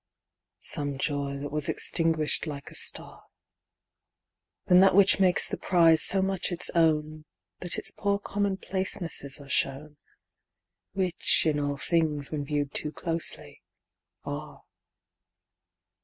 (Some joy that was extinguished like a star) Than that which makes the prize so much its own That its poor commonplacenesses are shown; (Which in all things, when viewed too closely, are.)